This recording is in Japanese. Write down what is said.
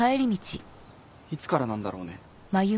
いつからなんだろうね。